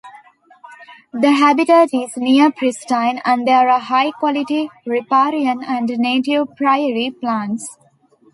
The habitat is near-pristine and there are high-quality riparian and native prairie plants.